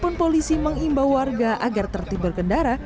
ada pun polisi mengimbau warga agar tertibur kendara